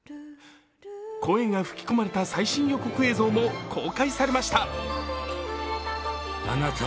声が吹き込まれた最新予告映像も公開されました。